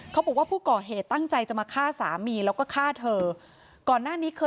เขาบอกว่าผู้ก่อเหตุตั้งใจจะมาฆ่าสามีเราก็ฆ่าเธอ